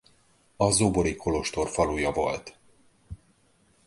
A zobori kolostor faluja volt.